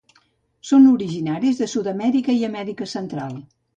Són originaris de Sud-amèrica i Amèrica Central.